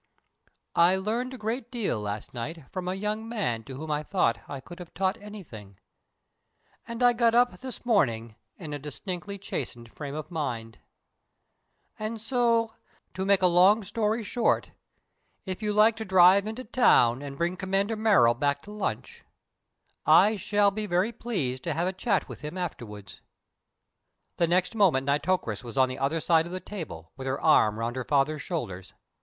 I learnt a great deal last night from a young man to whom I thought I could have taught anything, and I got up this morning in a distinctly chastened frame of mind; and so, to make a long story short, if you like to drive into town and bring Commander Merrill back to lunch, I shall be very pleased to have a chat with him afterwards." The next moment Nitocris was on the other side of the table, with her arm round her father's shoulders.